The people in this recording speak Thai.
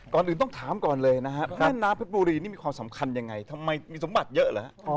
ก่อนอื่นต้องถามก่อนเลยนะครับแม่น้ำเพชรบุรีนี่มีความสำคัญยังไงทำไมมีสมบัติเยอะเหรอฮะ